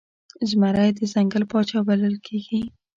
زمری د ځنګل پاچا بلل کیږي